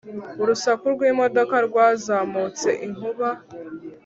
Urusaku rwimodoka rwazamutse inkuba